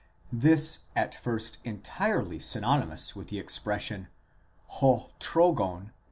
This, at first entirely synonymous with the expression ὁ τρώγων x.